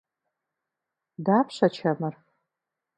Дапщэ чэмыр?